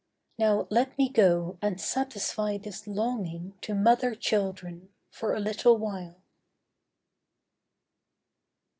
Now let me go and satisfy this longing To mother children for a little while.